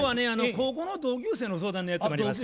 高校の同級生の相談でやってまいりました。